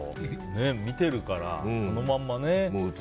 見てるからそのまんまね。